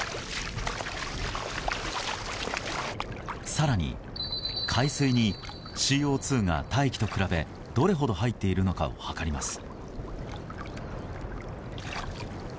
更に海水にＣＯ２が大気と比べ、どれほど入っているのかを測ります。